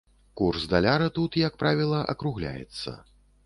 Курс даляра тут, як правіла, акругляецца.